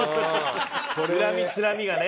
恨みつらみがね。